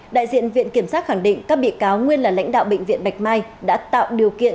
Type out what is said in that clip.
đại diện viện kiểm sát khẳng định các bị cáo nguyên là lãnh đạo bệnh viện bạch mai đã tạo điều kiện